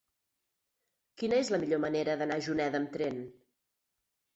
Quina és la millor manera d'anar a Juneda amb tren?